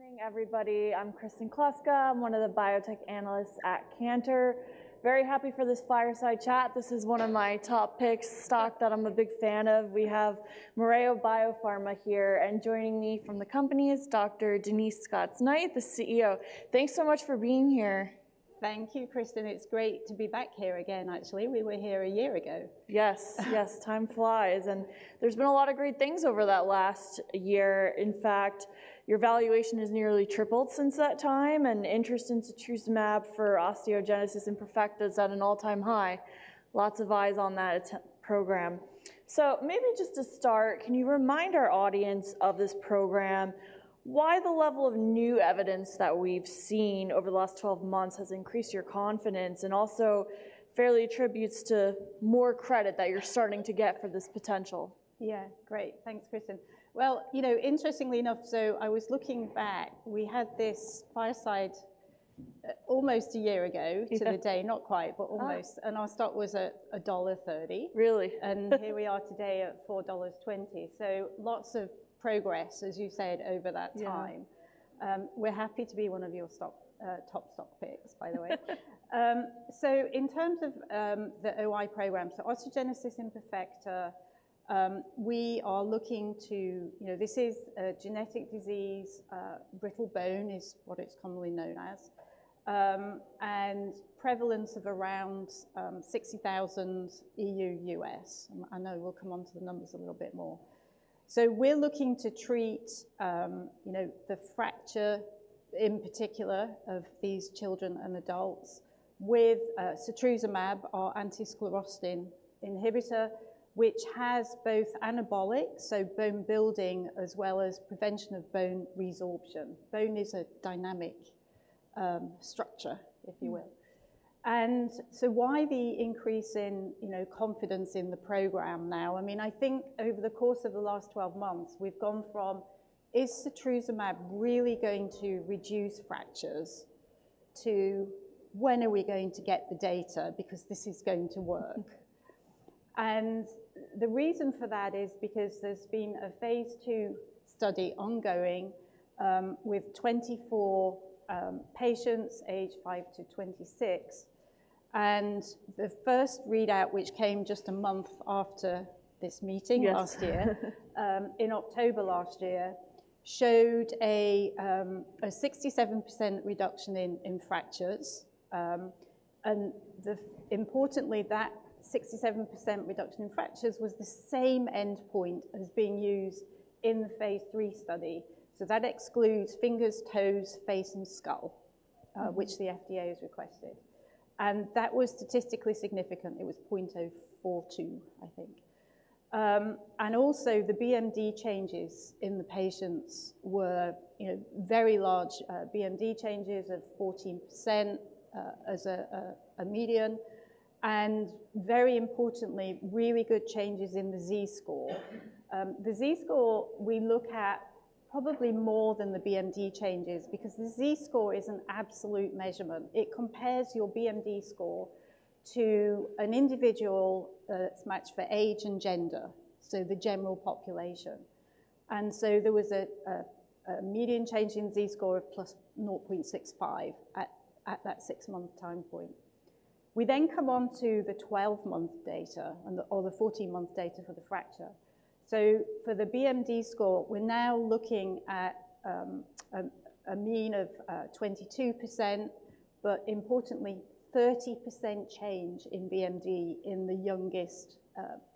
Hi, good morning, everybody. I'm Kristen Kluska. I'm one of the biotech analysts at Cantor. Very happy for this fireside chat. This is one of my top pick stock that I'm a big fan of. We have Mereo BioPharma here, and joining me from the company is Dr. Denise Scots-Knight, the CEO. Thanks so much for being here. Thank you, Kristen. It's great to be back here again, actually, we were here a year ago. Yes, yes. Time flies, and there's been a lot of great things over that last year. In fact, your valuation has nearly tripled since that time, and interest in setrusumab for Osteogenesis imperfecta is at an all-time high. Lots of eyes on that program. So maybe just to start, can you remind our audience of this program, why the level of new evidence that we've seen over the last twelve months has increased your confidence, and also fairly attributes to more credit that you're starting to get for this potential? Yeah, great. Thanks, Kristen. Well, you know, interestingly enough, so I was looking back, we had this fireside almost a year ago to the day, not quite, but almost. Ah. Our stock was at $1.30. Really? Here we are today at $4.20. Lots of progress, as you said, over that time. Yeah. We're happy to be one of your top stock picks, by the way, so in terms of the OI program, so Osteogenesis imperfecta, we are looking to... You know, this is a genetic disease. Brittle bone is what it's commonly known as, and prevalence of around 60,000 EU, U.S. I know we'll come onto the numbers a little bit more, so we're looking to treat, you know, the fracture, in particular, of these children and adults with setrusumab, our anti-sclerostin inhibitor, which has both anabolic, so bone building, as well as prevention of bone resorption. Bone is a dynamic structure, if you will. Mm. And so why the increase in, you know, confidence in the program now? I mean, I think over the course of the last 12 months, we've gone from, "Is setrusumab really going to reduce fractures?" to, "When are we going to get the data? Because this is going to work." And the reason for that is because there's been a phase II study ongoing with 24 patients aged five to 26, and the first readout, which came just a month after this meeting- Yes -last year, in October last year, showed a 67% reduction in fractures. And importantly, that 67% reduction in fractures was the same endpoint as being used in the phase III study. So that excludes fingers, toes, face, and skull, which the FDA has requested, and that was statistically significant. It was point oh four two, I think. And also, the BMD changes in the patients were, you know, very large, BMD changes of 14%, as a median, and very importantly, really good changes in the Z-score. The Z-score, we look at probably more than the BMD changes because the Z-score is an absolute measurement. It compares your BMD score to an individual that's matched for age and gender, so the general population. There was a median change in Z-score of +0.65 at that six-month time point. We then come on to the 12-month data and the, or the 14-month data for the fracture. For the BMD score, we're now looking at a mean of 22%, but importantly, 30% change in BMD in the youngest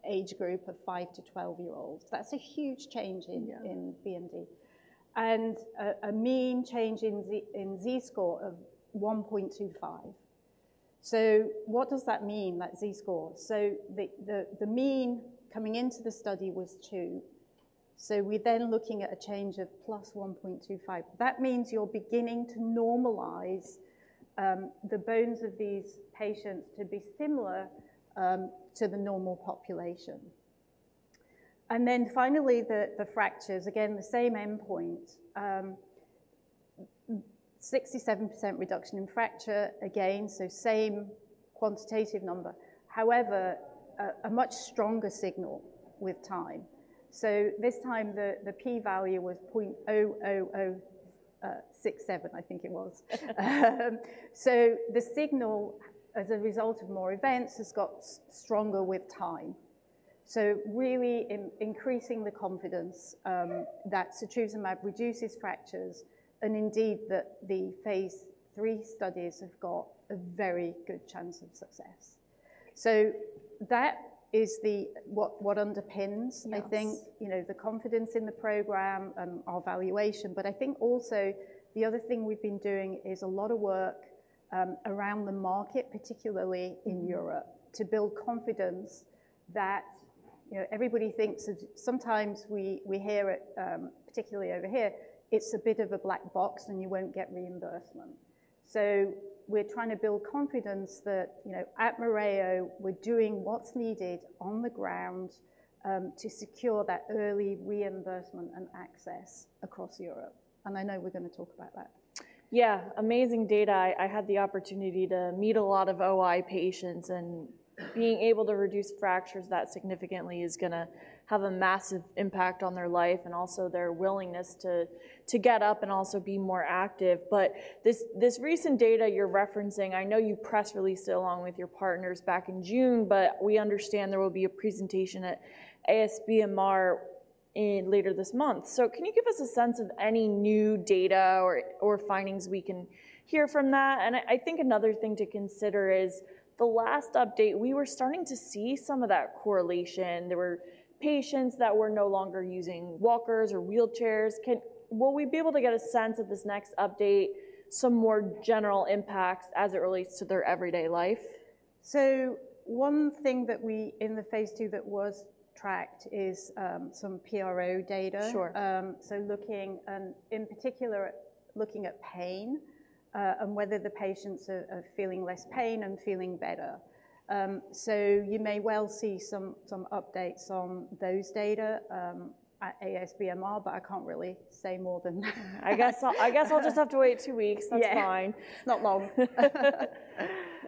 age group of 5-12 year olds. That's a huge change in- Yeah... in BMD, and a mean change in Z-score of 1.25. So what does that mean, that Z-score? So the mean coming into the study was two, so we're then looking at a change of +1.25. That means you're beginning to normalize the bones of these patients to be similar to the normal population. And then finally, the fractures, again, the same endpoint. 67% reduction in fracture, again, so same quantitative number. However, a much stronger signal with time. So this time the P value was 0.0067, I think it was. So the signal, as a result of more events, has got stronger with time. So really increasing the confidence that setrusumab reduces fractures and indeed, that the phase III studies have got a very good chance of success. So that is the, what underpins- Yes... I think, you know, the confidence in the program and our valuation. But I think also the other thing we've been doing is a lot of work around the market, particularly in Europe- Mm... to build confidence that, you know, everybody thinks of, sometimes we hear it, particularly over here, it's a bit of a black box, and you won't get reimbursement. So we're trying to build confidence that, you know, at Mereo, we're doing what's needed on the ground, to secure that early reimbursement and access across Europe, and I know we're gonna talk about that. Yeah, amazing data. I had the opportunity to meet a lot of OI patients, and being able to reduce fractures that significantly is gonna have a massive impact on their life and also their willingness to get up and also be more active. But this recent data you're referencing, I know you press released it along with your partners back in June, but we understand there will be a presentation at ASBMR later this month. So can you give us a sense of any new data or findings we can hear from that? And I think another thing to consider is the last update, we were starting to see some of that correlation. There were patients that were no longer using walkers or wheelchairs. Will we be able to get a sense of this next update, some more general impacts as it relates to their everyday life? One thing that we in the phase II that was tracked is some PRO data. Sure. So looking in particular at pain and whether the patients are feeling less pain and feeling better. So you may well see some updates on those data at ASBMR, but I can't really say more than that. I guess I'll just have to wait two weeks. Yeah. That's fine. Not long.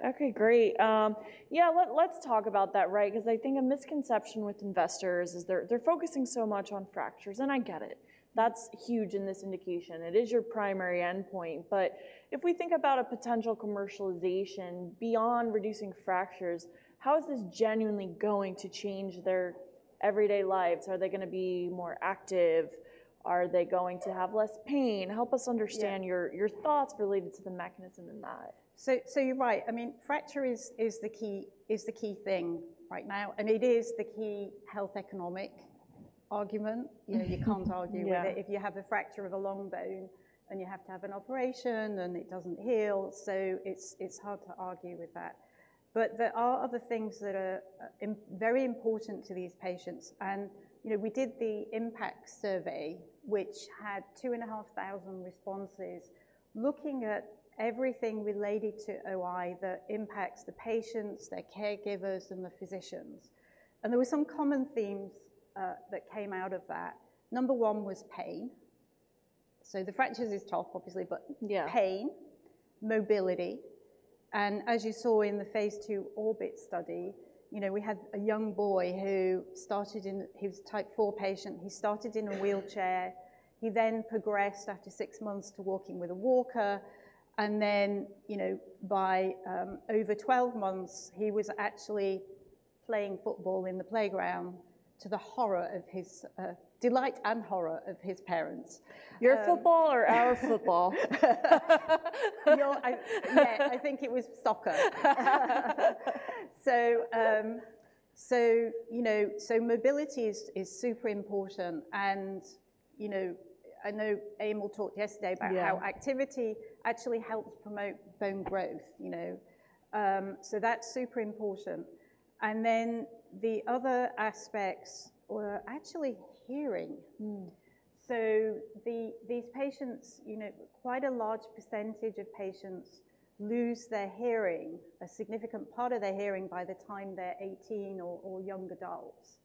Okay, great. Yeah, let's talk about that, right? 'Cause I think a misconception with investors is they're focusing so much on fractures, and I get it. That's huge in this indication. It is your primary endpoint. But if we think about a potential commercialization beyond reducing fractures, how is this genuinely going to change their everyday lives? Are they gonna be more active? Are they going to have less pain? Yeah. Help us understand your thoughts related to the mechanism in that. You're right. I mean, fracture is the key thing right now, and it is the key health economic argument. Mm-hmm. You know, you can't argue- Yeah... with it. If you have a fracture of a long bone and you have to have an operation and it doesn't heal, so it's hard to argue with that. But there are other things that are very important to these patients. And, you know, we did the impact survey, which had 2,500 responses, looking at everything related to OI that impacts the patients, their caregivers, and the physicians. And there were some common themes that came out of that. Number one was pain. So the fractures is top, obviously, but- Yeah... pain, mobility, and as you saw in the phase II ORBIT study, you know, we had a young boy who was a Type IV patient. He started in a wheelchair. He then progressed, after six months, to walking with a walker, and then, you know, by over twelve months, he was actually playing football in the playground, to the delight and horror of his parents. Your football or our football? Yeah, I think it was soccer. So, you know, mobility is super important. And, you know, I know Emil talked yesterday about- Yeah... how activity actually helps promote bone growth, you know? So that's super important. And then the other aspects were actually hearing. Mm. So these patients, you know, quite a large percentage of patients lose their hearing, a significant part of their hearing, by the time they're eighteen or young adults.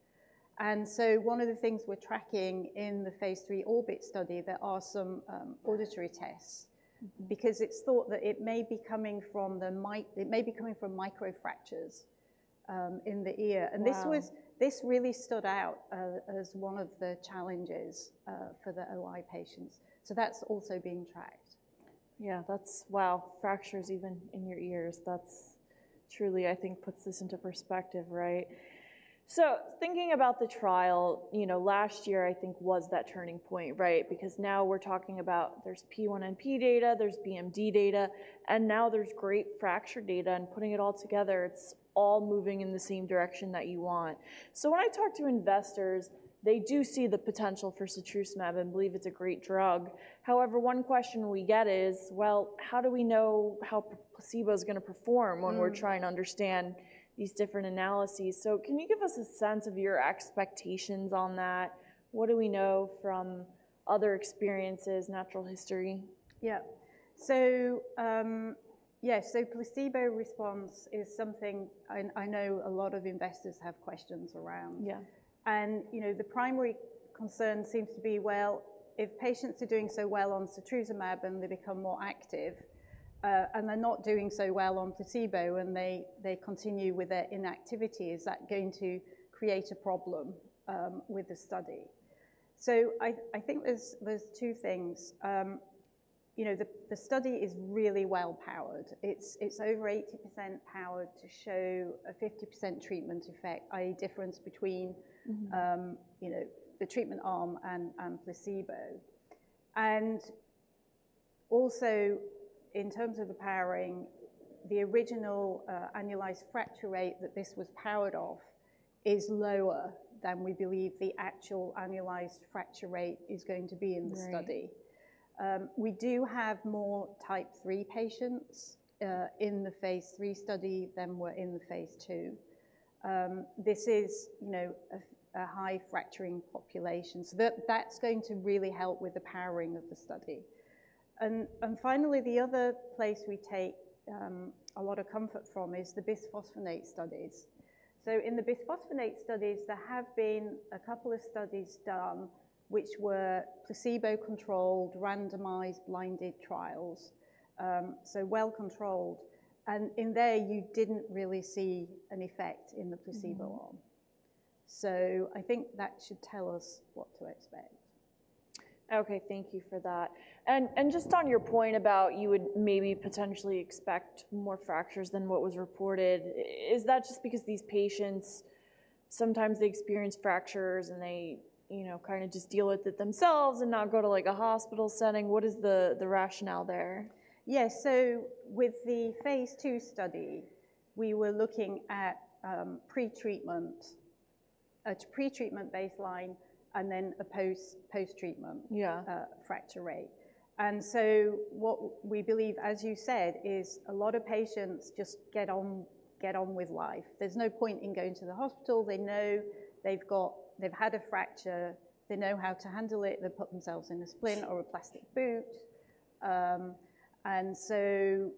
And so one of the things we're tracking in the phase III ORBIT study, there are some auditory tests- Mm... because it's thought that it may be coming from microfractures in the ear. Wow! This really stood out as one of the challenges for the OI patients. That's also being tracked. Yeah, that's... Wow, fractures even in your ears. That's truly, I think, puts this into perspective, right? So thinking about the trial, you know, last year, I think, was that turning point, right? Because now we're talking about there's P1NP data, there's BMD data, and now there's great fracture data, and putting it all together, it's all moving in the same direction that you want. So when I talk to investors, they do see the potential for setrusumab and believe it's a great drug. However, one question we get is, well, how do we know how placebo is gonna perform- Mm... when we're trying to understand these different analyses? So can you give us a sense of your expectations on that? What do we know from other experiences, natural history? Yeah. So, yeah, so placebo response is something and I know a lot of investors have questions around. Yeah. You know, the primary concern seems to be, well, if patients are doing so well on setrusumab, and they become more active, and they're not doing so well on placebo, and they continue with their inactivity, is that going to create a problem with the study? I think there's two things. You know, the study is really well powered. It's over 80% powered to show a 50% treatment effect, i.e., difference between- Mm-hmm... you know, the treatment arm and placebo, and also in terms of the powering, the original annualized fracture rate that this was powered off is lower than we believe the actual annualized fracture rate is going to be in the study. Right. We do have more Type III patients in the phase III study than were in the phase II. This is, you know, a high fracturing population, so that's going to really help with the powering of the study. And finally, the other place we take a lot of comfort from is the bisphosphonate studies. So in the bisphosphonate studies, there have been a couple of studies done which were placebo-controlled, randomized, blinded trials, so well-controlled. And in there, you didn't really see an effect in the placebo arm. Mm-hmm. So I think that should tell us what to expect.... Okay, thank you for that. And just on your point about you would maybe potentially expect more fractures than what was reported, is that just because these patients sometimes they experience fractures, and they, you know, kind of just deal with it themselves and not go to, like, a hospital setting? What is the rationale there? Yes. So with the phase II study, we were looking at pre-treatment, a pre-treatment baseline and then a post-treatment- Yeah Fracture rate. And so what we believe, as you said, is a lot of patients just get on with life. There's no point in going to the hospital. They know they've had a fracture. They know how to handle it. They put themselves in a splint or a plastic boot. And so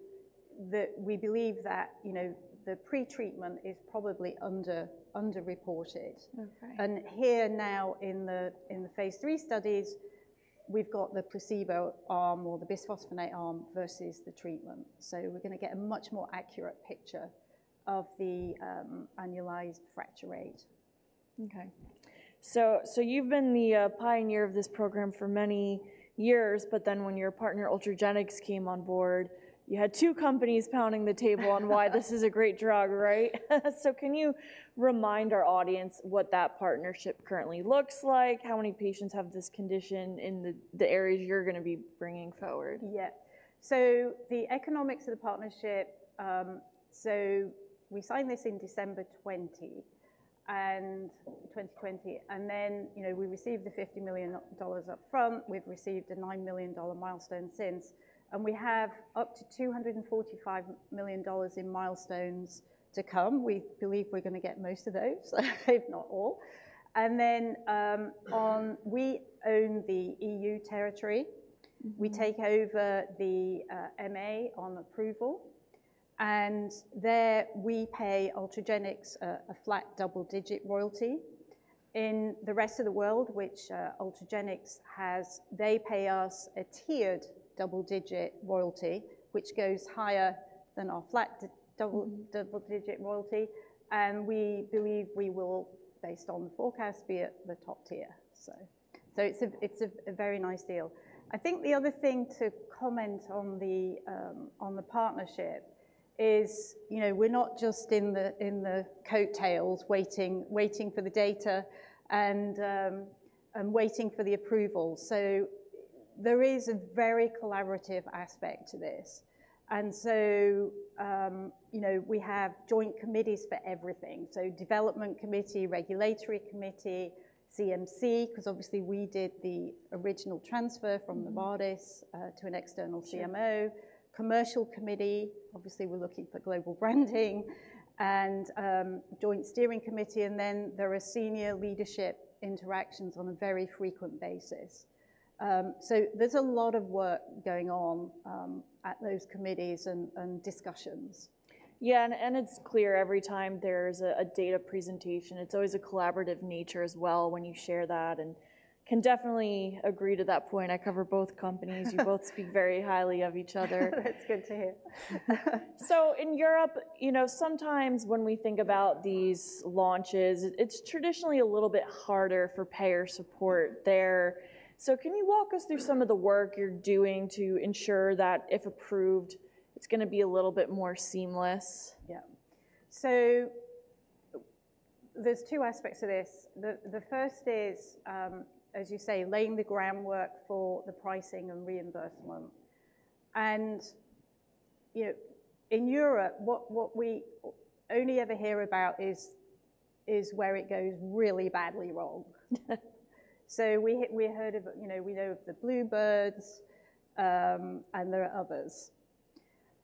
we believe that, you know, the pre-treatment is probably underreported. Okay. Here now in the phase III studies, we've got the placebo arm or the bisphosphonate arm versus the treatment. We're going to get a much more accurate picture of the annualized fracture rate. Okay. So you've been the pioneer of this program for many years, but then when your partner, Ultragenyx, came on board, you had two companies pounding the table on why this is a great drug, right? So can you remind our audience what that partnership currently looks like? How many patients have this condition in the areas you're going to be bringing forward? Yeah, so the economics of the partnership. We signed this in December 2020, and then, you know, we received the $50 million upfront. We've received a $9 million milestone since, and we have up to $245 million in milestones to come. We believe we're going to get most of those, if not all, and then we own the EU territory. Mm-hmm. We take over the MA on approval, and there we pay Ultragenyx a flat double-digit royalty. In the rest of the world, which Ultragenyx has, they pay us a tiered double-digit royalty, which goes higher than our flat d- Mm-hmm... double-digit royalty, and we believe we will, based on the forecast, be at the top tier. So it's a very nice deal. I think the other thing to comment on the partnership is, you know, we're not just in the coattails waiting for the data and waiting for the approval. So there is a very collaborative aspect to this. And so, you know, we have joint committees for everything, so development committee, regulatory committee, CMC, 'cause obviously we did the original transfer from- Mm-hmm... Novartis, to an external CMO. Sure. Commercial committee, obviously, we're looking for global branding, and joint steering committee, and then there are senior leadership interactions on a very frequent basis. So there's a lot of work going on at those committees and discussions. Yeah, and it's clear every time there's a data presentation, it's always a collaborative nature as well when you share that, and can definitely agree to that point. I cover both companies. You both speak very highly of each other. That's good to hear. So in Europe, you know, sometimes when we think about these launches, it's traditionally a little bit harder for payer support there. So can you walk us through some of the work you're doing to ensure that, if approved, it's going to be a little bit more seamless? Yeah. So there's two aspects to this. The first is, as you say, laying the groundwork for the pricing and reimbursement. And, you know, in Europe, what we only ever hear about is where it goes really badly wrong. So we heard of, you know, we know of the Bluebird, and there are others.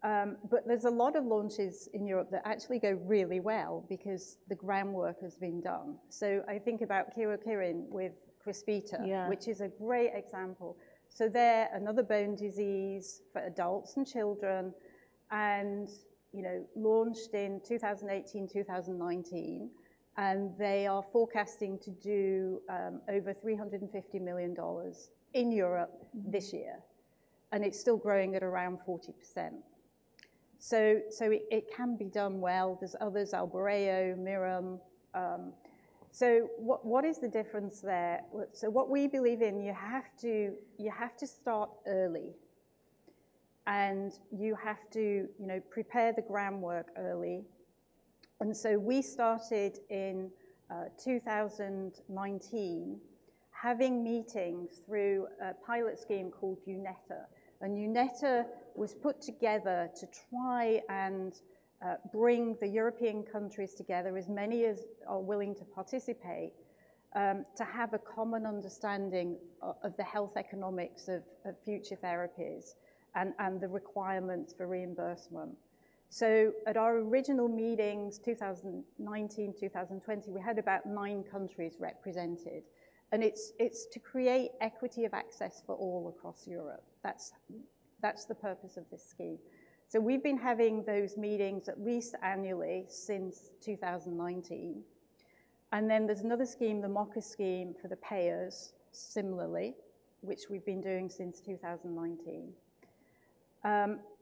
But there's a lot of launches in Europe that actually go really well because the groundwork has been done. So I think about Kyowa Kirin with Crysvita- Yeah... which is a great example. They're another bone disease for adults and children and, you know, launched in 2018, 2019, and they are forecasting to do over $350 million in Europe this year, and it's still growing at around 40%. So it can be done well. There's others, Albireo, Mirum. So what is the difference there? What? So what we believe in, you have to start early, and you have to prepare the groundwork early. And so we started in 2019, having meetings through a pilot scheme called EUnetHTA. EUnetHTA was put together to try and bring the European countries together, as many as are willing to participate, to have a common understanding of the health economics of future therapies and the requirements for reimbursement. At our original meetings, 2019, 2020, we had about nine countries represented, and it's to create equity of access for all across Europe. That's the purpose of this scheme. We've been having those meetings at least annually since 2019. Then there's another scheme, the MoCA scheme, for the payers, similarly, which we've been doing since 2019.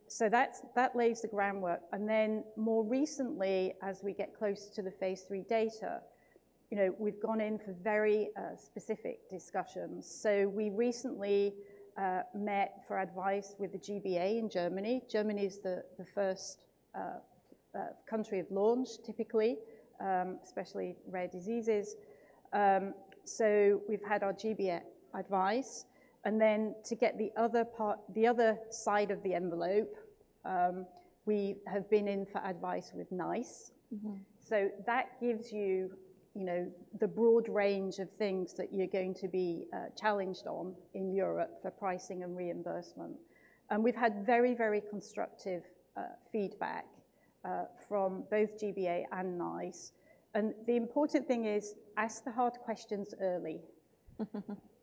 So that lays the groundwork. Then more recently, as we get close to the phase III data, you know, we've gone in for very specific discussions. So we recently met for advice with the G-BA in Germany. Germany is the first country of launch, typically, especially rare diseases. So we've had our G-BA advice, and then to get the other part, the other side of the envelope, we have been in for advice with NICE. Mm-hmm. So that gives you, you know, the broad range of things that you're going to be challenged on in Europe for pricing and reimbursement. And we've had very, very constructive feedback from both G-BA and NICE. And the important thing is, ask the hard questions early.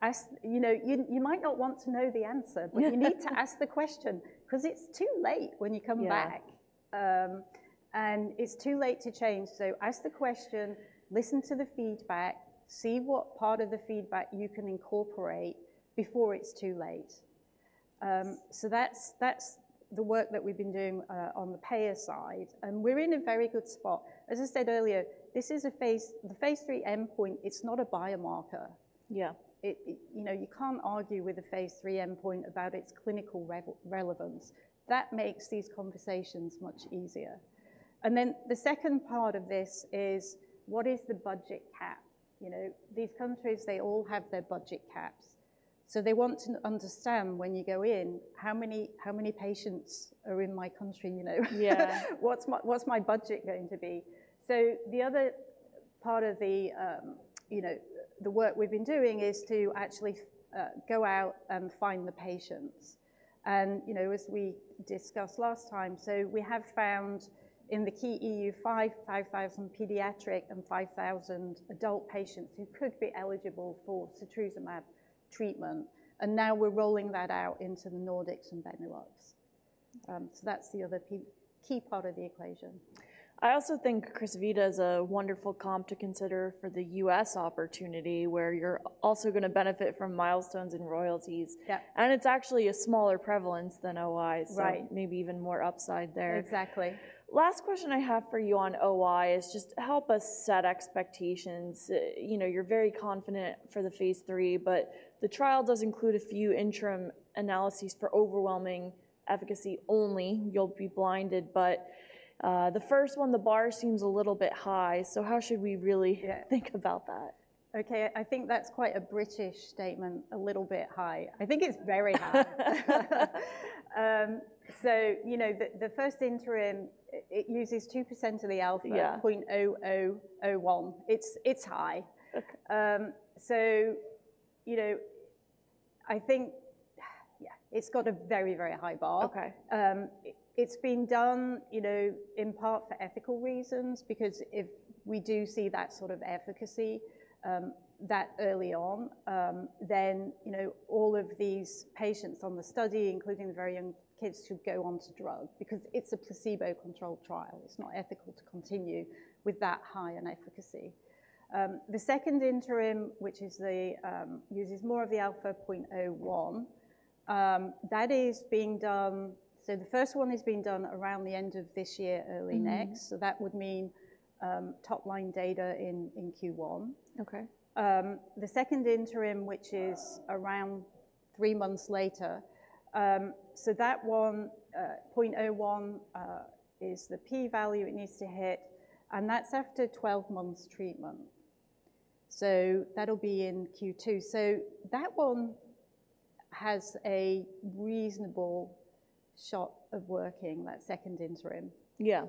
Ask. You know, you might not want to know the answer- Yeah. But you need to ask the question, 'cause it's too late when you come back. Yeah. And it's too late to change. So ask the question, listen to the feedback, see what part of the feedback you can incorporate before it's too late. So that's the work that we've been doing on the payer side, and we're in a very good spot. As I said earlier, the phase III endpoint, it's not a biomarker. Yeah. It, you know, you can't argue with a phase III endpoint about its clinical relevance. That makes these conversations much easier. And then the second part of this is: what is the budget cap? You know, these countries, they all have their budget caps, so they want to understand, when you go in, how many patients are in my country, you know? Yeah. What's my budget going to be? So the other part of the, you know, the work we've been doing is to actually go out and find the patients. And, you know, as we discussed last time, so we have found in the key EU five, 5,000 pediatric and 5,000 adult patients who could be eligible for setrusumab treatment, and now we're rolling that out into the Nordics and Benelux. So that's the other key part of the equation. I also think Crysvita is a wonderful comp to consider for the U.S. opportunity, where you're also gonna benefit from milestones and royalties. Yeah. It's actually a smaller prevalence than OI. Right. So maybe even more upside there. Exactly. Last question I have for you on OI is just, help us set expectations. You know, you're very confident for the phase III, but the trial does include a few interim analyses for overwhelming efficacy only. You'll be blinded, but, the first one, the bar seems a little bit high. So how should we really- Yeah. Think about that? Okay, I think that's quite a British statement, "a little bit high." I think it's very high. So, you know, the first interim, it uses 2% of the alpha- Yeah. -0.0001. It's high. Okay. You know, I think, yeah, it's got a very, very high bar. Okay. It's been done, you know, in part for ethical reasons, because if we do see that sort of efficacy that early on, then, you know, all of these patients on the study, including the very young kids, should go on to drug, because it's a placebo-controlled trial. It's not ethical to continue with that high an efficacy. The second interim, which uses more of the alpha point oh one, that is being done, so the first one is being done around the end of this year, early next. Mm-hmm. That would mean, top-line data in Q1. Okay. The second interim, which is around three months later, so that one, point oh one, is the P value it needs to hit, and that's after 12 months' treatment. So that'll be in Q2. So that one has a reasonable shot of working, that second interim. Yeah.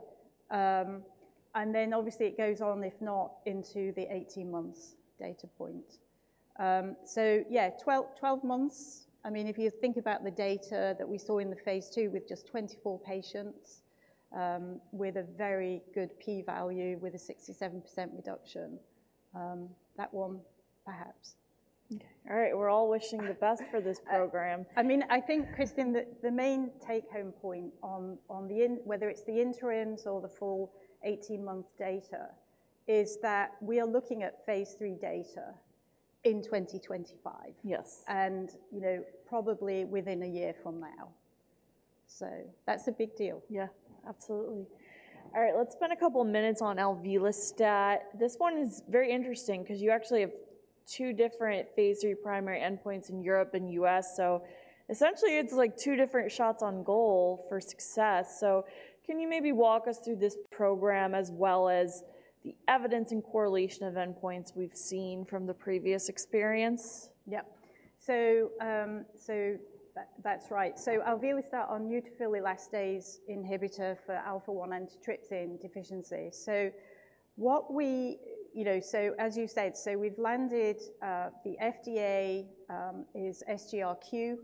And then obviously it goes on, if not into the 18 months' data point. So yeah, 12 months, I mean, if you think about the data that we saw in the phase II with just 24 patients, with a very good P value, with a 67% reduction, that one, perhaps. Okay. All right, we're all wishing the best for this program. I mean, I think, Kristen, the main take-home point on whether it's the interims or the full eighteen-month data is that we are looking at phase III data in 2025. Yes. You know, probably within a year from now. That's a big deal. Yeah, absolutely. All right, let's spend a couple minutes on alvelestat. This one is very interesting because you actually have two different phase III primary endpoints in Europe and U.S., so essentially it's like two different shots on goal for success. So can you maybe walk us through this program, as well as the evidence and correlation of endpoints we've seen from the previous experience? Yep. So, that's right. So alvelestat, a neutrophil elastase inhibitor for alpha-1 antitrypsin deficiency. You know, so as you said, so we've landed the FDA is SGRQ,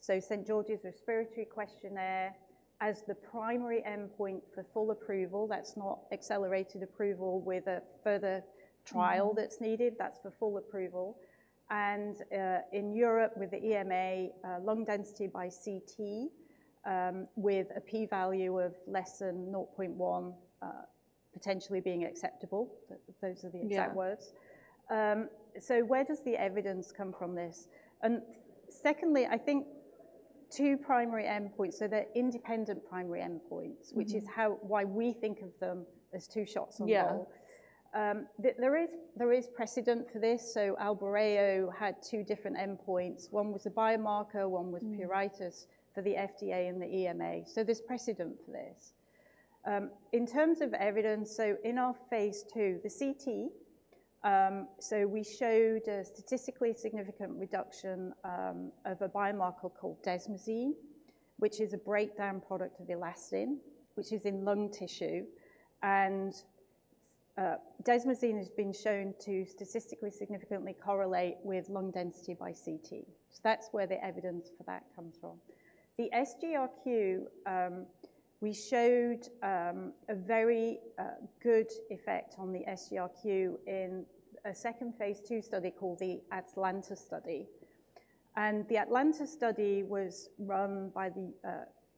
so St. George's Respiratory Questionnaire, as the primary endpoint for full approval. That's not accelerated approval with a further trial. Mm-hmm... that's needed. That's for full approval. And, in Europe, with the EMA, lung density by CT, with a P value of less than 0.1, potentially being acceptable. Those are the exact words. Yeah. So where does the evidence come from this? And secondly, I think two primary endpoints, so they're independent primary endpoints. Mm-hmm. -which is how, why we think of them as two shots on goal. Yeah. There is, there is precedent for this. So Albireo had two different endpoints. One was a biomarker, one was- Mm... pruritus for the FDA and the EMA. So there's precedent for this. In terms of evidence, so in our phase II, the CT, so we showed a statistically significant reduction, of a biomarker called desmosine, which is a breakdown product of elastin, which is in lung tissue. And, desmosine has been shown to statistically significantly correlate with lung density by CT. So that's where the evidence for that comes from. The SGRQ, we showed, a very, good effect on the SGRQ in a second phase II study called the ATALANTa Study. And the ATALANTa Study was run by the,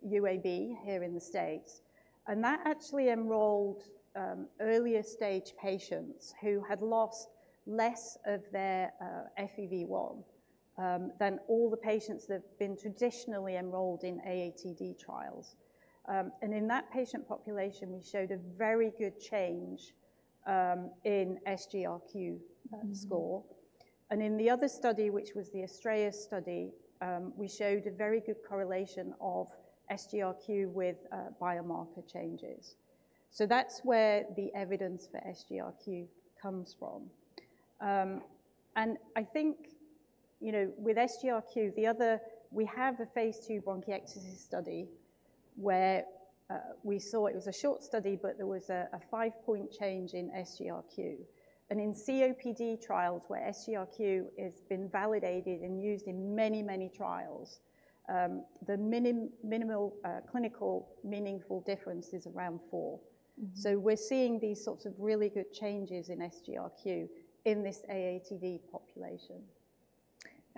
UAB here in the States, and that actually enrolled, earlier stage patients who had lost less of their, FEV1, than all the patients that have been traditionally enrolled in AATD trials. And in that patient population, we showed a very good change in SGRQ score. Mm-hmm. In the other study, which was the ASTRAEUS study, we showed a very good correlation of SGRQ with biomarker changes. That's where the evidence for SGRQ comes from. And I think, you know, with SGRQ, the other we have a phase II bronchiectasis study where we saw it was a short study, but there was a five-point change in SGRQ. In COPD trials, where SGRQ has been validated and used in many, many trials, the minimal clinical meaningful difference is around four. Mm-hmm. So we're seeing these sorts of really good changes in SGRQ in this AATD population.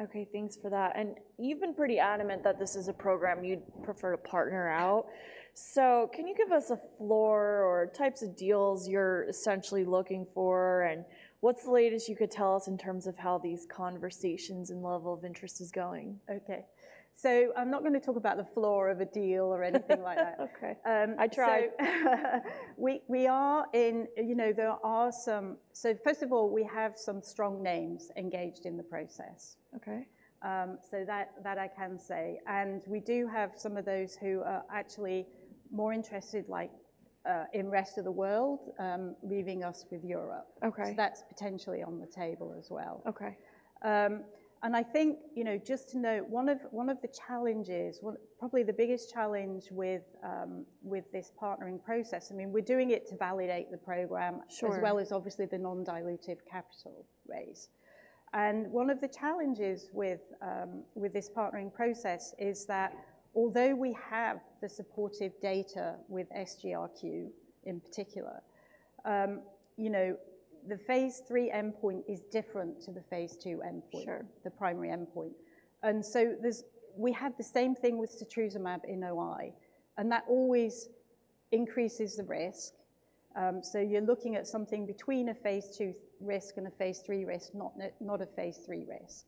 Okay, thanks for that. And you've been pretty adamant that this is a program you'd prefer to partner out. So can you give us a floor or types of deals you're essentially looking for, and what's the latest you could tell us in terms of how these conversations and level of interest is going? Okay, so I'm not gonna talk about the floor of a deal or anything like that. Okay. Um, so- I tried. You know, there are some, so first of all, we have some strong names engaged in the process. Okay. So that I can say, and we do have some of those who are actually more interested, like, in rest of the world, leaving us with Europe. Okay. That's potentially on the table as well. Okay. And I think, you know, just to note, one of the challenges, probably the biggest challenge with this partnering process, I mean, we're doing it to validate the program. Sure... as well as obviously the non-dilutive capital raise, and one of the challenges with this partnering process is that although we have the supportive data with SGRQ in particular, you know, the phase III endpoint is different to the phase II endpoint. Sure... the primary endpoint. And so there's, we had the same thing with setrusumab in OI, and that always increases the risk. So you're looking at something between a phase II risk and a phase III risk, not a phase III risk.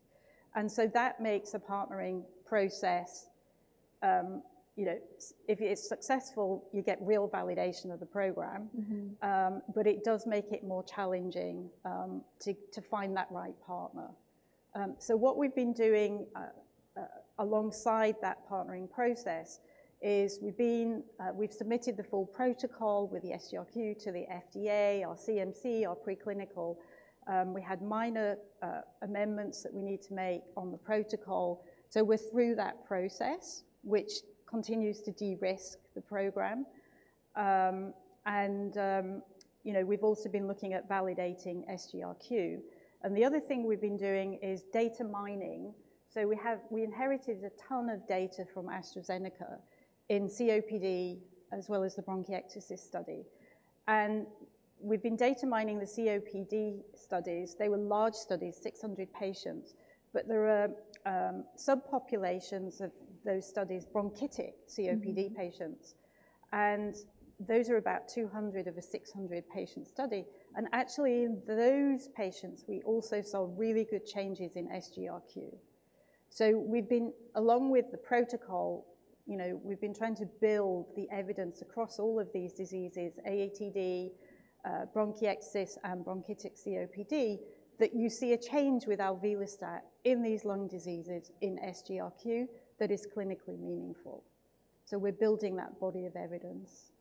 And so that makes the partnering process, you know, if it's successful, you get real validation of the program. Mm-hmm. But it does make it more challenging to find that right partner. So what we've been doing, alongside that partnering process, is we've been, we've submitted the full protocol with the SGRQ to the FDA, our CMC, our preclinical. We had minor amendments that we need to make on the protocol, so we're through that process, which continues to de-risk the program. And, you know, we've also been looking at validating SGRQ. And the other thing we've been doing is data mining. So we have, we inherited a ton of data from AstraZeneca in COPD, as well as the bronchiectasis study. And we've been data mining the COPD studies. They were large studies, 600 patients, but there are subpopulations of those studies, bronchiectasis. Mm-hmm... COPD patients, and those are about 200 of a 600-patient study. Actually, in those patients, we also saw really good changes in SGRQ. We've been, along with the protocol, you know, trying to build the evidence across all of these diseases, AATD, bronchiectasis, and bronchiectasis COPD, that you see a change with alvelestat in these lung diseases, in SGRQ, that is clinically meaningful. We're building that body of evidence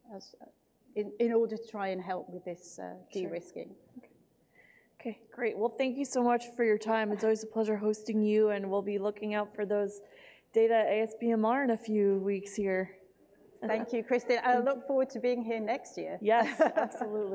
in order to try and help with this. Sure... de-risking. Okay. Okay, great. Thank you so much for your time. It's always a pleasure hosting you, and we'll be looking out for those data ASBMR in a few weeks here. Thank you, Kristen. I look forward to being here next year. Yes, absolutely.